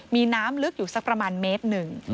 มีน้ำลึกอยู่สักประมาณเมตรหนึ่ง